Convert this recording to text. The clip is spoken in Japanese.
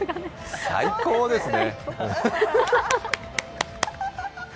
最高ですね。